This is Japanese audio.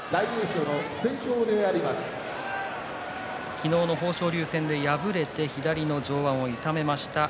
昨日の豊昇龍戦で敗れて左の上腕を痛めました。